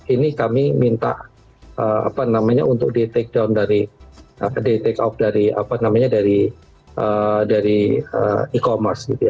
ini kami minta apa namanya untuk di take down dari di take off dari apa namanya dari e commerce